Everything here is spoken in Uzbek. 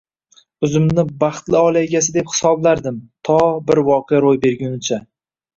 O'zimni baxtli oila egasi deb hisoblardim, to bir voqea ro'y bergunicha